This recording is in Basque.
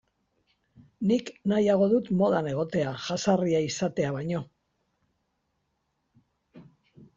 Nik nahiago dut modan egotea jazarria izatea baino.